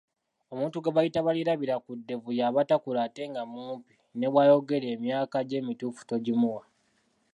Omuntu gwe bayita Balirabirakuddevu yaba takula ate nga mumpi, ne bwayogera emyaka gye emituufu togimuwa.